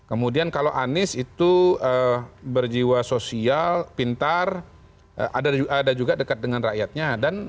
ada juga dekat dengan rakyatnya